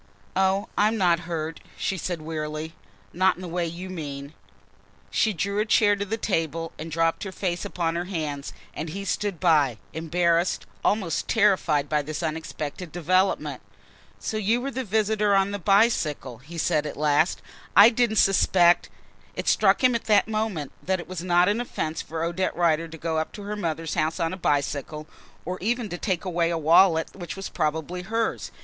"Oh, I'm not hurt," she said wearily, "not hurt in the way you mean." She drew a chair to the table and dropped her face upon her hands and he stood by, embarrassed, almost terrified, by this unexpected development. "So you were the visitor on the bicycle," he said at last. "I didn't suspect " It struck him at that moment that it was not an offence for Odette Rider to go up to her mother's house on a bicycle, or even to take away a wallet which was probably hers.